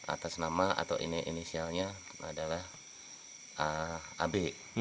atas nama atau ini inisialnya adalah ab